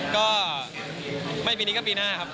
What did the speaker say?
ก็ไม่ปีนี้ก็ปีหน้าครับ